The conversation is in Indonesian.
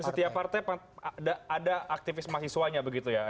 dan setiap partai ada aktivis mahasiswanya begitu ya